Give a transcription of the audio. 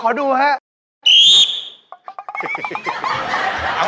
ขอดูฮะ